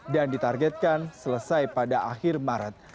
dan ditargetkan selesai pada akhir maret